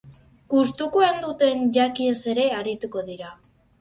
Gustukoen duten jakiez ere arituko dira.